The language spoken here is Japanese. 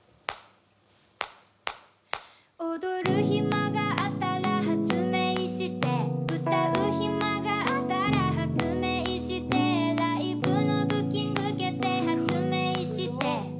「踊る暇があったら発明してえ」「歌う暇があったら発明してえ」「ライブのブッキング蹴って発明してえ」